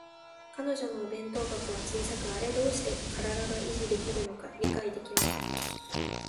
彼女のお弁当箱は小さく、あれでどうして身体が維持できるのか理解できなかった